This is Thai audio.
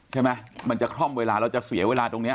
มันจะคล่อมเวลาเราจะเสียเวลาตรงนี้